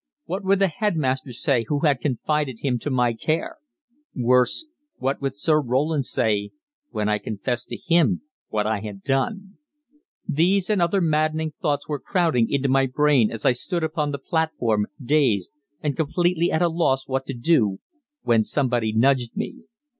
What would the headmaster say who had confided him to my care? Worse, what would Sir Roland say when I confessed to him what I had done? These and other maddening thoughts were crowding into my brain as I stood upon the platform, dazed, and completely at a loss what to do, when somebody nudged me.